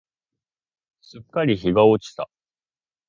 すっかり日が落ちた。